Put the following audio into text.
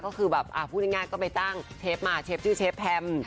ก็คือแบบพูดง่ายก็ไปตั้งเชฟมาเชฟชื่อเชฟแพม